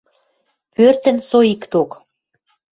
Пӧртӹн со икток: